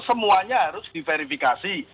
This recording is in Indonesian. semuanya harus diverifikasi